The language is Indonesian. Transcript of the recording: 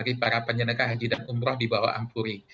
bagi para penyelenggara haji dan umroh di bawah ampuri